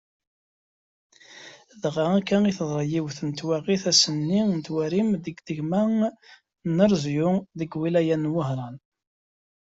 Dɣa akka i teḍra yiwet n twaɣit ass-nni n warim deg tama n Arezyu deg twilayt n Wehran.